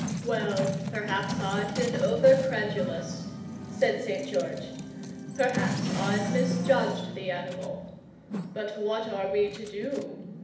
"Well, perhaps I've been over credulous," said St. George. "Perhaps I've misjudged the animal. But what are we to do?